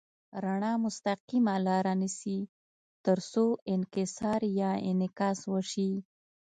رڼا مستقیمه لاره نیسي تر څو انکسار یا انعکاس وشي.